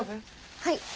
はい。